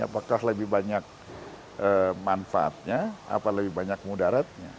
apakah lebih banyak manfaatnya apa lebih banyak mudaratnya